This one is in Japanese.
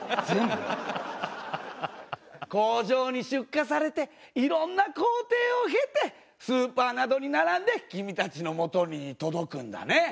工場に出荷されていろんな工程を経てスーパーなどに並んで君たちのもとに届くんだね。